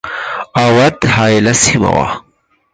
اَوَد حایله سیمه وه.